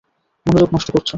মনোযোগ নষ্ট করছো।